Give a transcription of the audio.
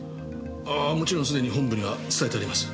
ああもちろんすでに本部には伝えてあります。